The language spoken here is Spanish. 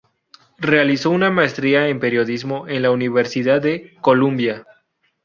Realizó una maestría en periodismo en la Universidad de Columbia.